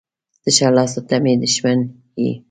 ـ تشه لاسه ته مې دښمن یې.